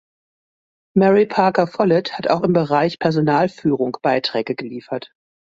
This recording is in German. Mary Parker Follett hat auch im Bereich Personalführung Beiträge geliefert.